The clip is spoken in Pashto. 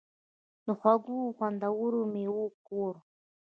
د خوږو او خوندورو میوو کور.